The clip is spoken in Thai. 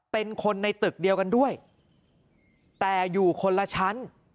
เป็นคนในตึกเดียวกันด้วยแต่อยู่คนละชั้น